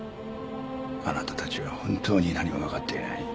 あなたたちは本当に何も分かっていない。